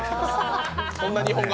そんな日本語